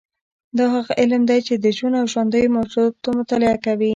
دا هغه علم دی چې د ژوند او ژوندیو موجوداتو مطالعه کوي